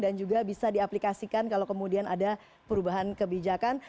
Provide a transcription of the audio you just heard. dan juga bisa diaplikasikan kalau kemudian ada perubahan kebijakan